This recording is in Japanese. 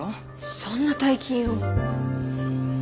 そんな大金を。